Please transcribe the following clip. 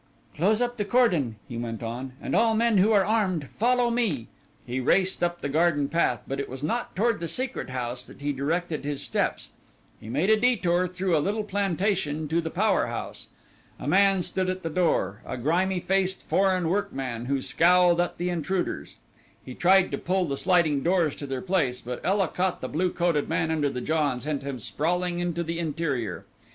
"Close up the cordon," he went on, "and all men who are armed follow me." He raced up the garden path, but it was not toward the Secret House that he directed his steps; he made a detour through a little plantation to the power house. A man stood at the door, a grimy faced foreign workman who scowled at the intruders. He tried to pull the sliding doors to their place, but Ela caught the blue coated man under the jaw and sent him sprawling into the interior.